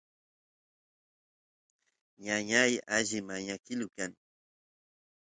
ñañay alli mañakilu kan